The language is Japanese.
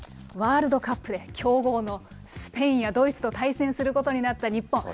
ワールドカップで、強豪のスペインやドイツと対戦することになった日本。